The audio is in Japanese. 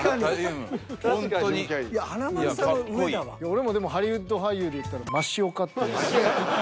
俺もでもハリウッド俳優でいったらマシ・オカって。